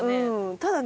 ただね